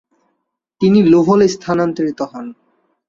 তিনি লুভলে স্থানান্তরিত হন।